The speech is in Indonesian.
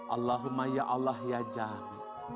allahumma ya allah ya jami